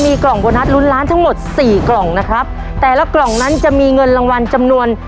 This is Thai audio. มีกล่องโบนัสลุ้นล้านทั้งหมดสี่กล่องนะครับแต่ละกล่องนั้นจะมีเงินรางวัลจำนวน